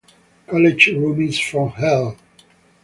College Roomies from Hell!!!